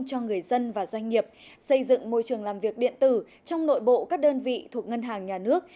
cho người dân và doanh nghiệp xây dựng môi trường làm việc điện tử trong nội bộ các đơn vị thuộc ngân hàng nhà nước